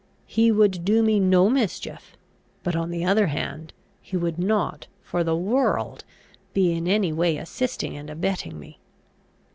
He would do me no mischief; but, on the other hand, he would not, for the world, be in any way assisting and abetting me.